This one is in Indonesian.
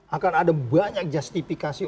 akan ada banyak justifikasi